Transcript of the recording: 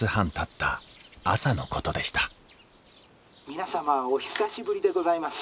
「皆様お久しぶりでございます。